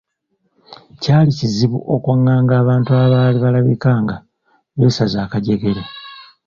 Kyali kizibu okwaŋŋaanga abantu abaali balabika nga beesaze akajjegere.